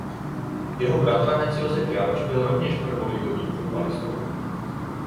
Jeho bratranec Josef Jaroš byl rovněž prvoligovým fotbalistou.